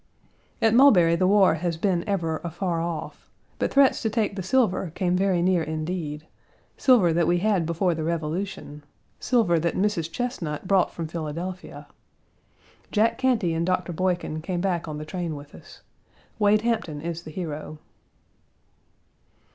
At Mulberry the war has been ever afar off, but threats to take the silver came very near indeed silver that we had before the Revolution, silver that Mrs. Chesnut brought from Philadelphia. Jack Cantey and Doctor Boykin came back on the train with us. Wade Hampton is the hero.